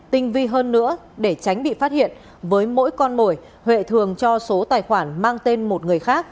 tinh vi hơn nữa để tránh bị phát hiện với mỗi con mồi huệ huệ thường cho số tài khoản mang tên một người khác